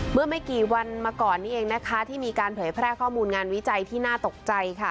เมื่อไม่กี่วันมาก่อนนี้เองนะคะที่มีการเผยแพร่ข้อมูลงานวิจัยที่น่าตกใจค่ะ